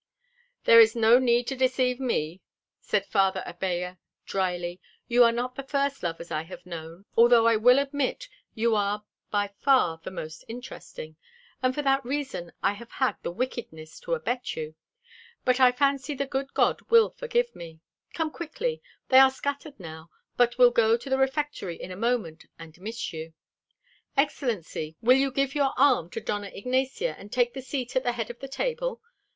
"There is no need to deceive me," said Father Abella dryly. "You are not the first lovers I have known, although I will admit you are by far the most interesting, and for that reason I have had the wickedness to abet you. But I fancy the good God will forgive me. Come quickly. They are scattered now, but will go to the refectory in a moment and miss you. Excellency, will you give your arm to Dona Ignacia and take the seat at the head of the table?